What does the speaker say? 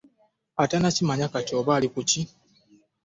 Atannakimanya kati oba ali ku ki?